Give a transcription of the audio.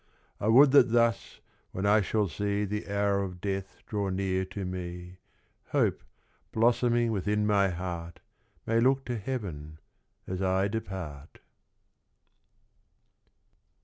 I would that thus, when I shall see The hour of death draw near to me, Hope, blossoming within my heart, May look to heaven as I depart.